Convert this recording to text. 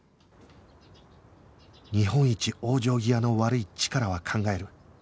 日本一往生際の悪いチカラは考える